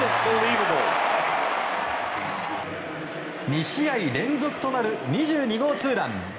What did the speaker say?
２試合連続となる２２号ツーラン。